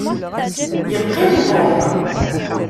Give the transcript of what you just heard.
Yeqqim Tom.